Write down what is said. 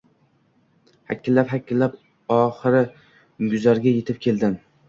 Hakillab-hakillab, oxiri guzarga yetib keldim